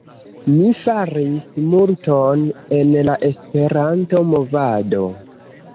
Mi faris multon en la Esperanto-movado